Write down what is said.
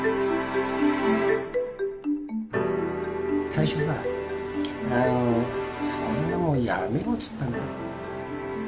最初さ「そんなもんやめろ」っつったんだ。